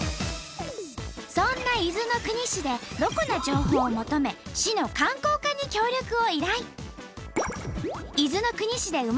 そんな伊豆の国市でロコな情報を求め市の観光課に協力を依頼。